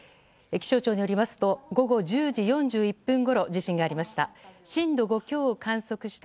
気象庁によりますと午後１０時４１分ごろ地震がありました。